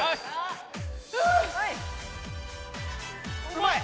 うまい。